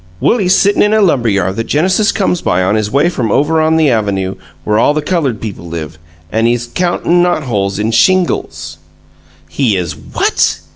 Willie's sittin' in a lumber yard that Genesis comes by on his way from over on the avynoo where all the colored people live an' he's countin' knot holes in shingles." "He is WHAT?"